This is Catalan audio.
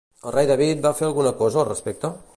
El rei David va fer alguna cosa al respecte?